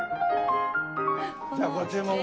じゃあご注文を。